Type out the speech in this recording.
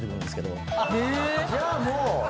じゃあもう。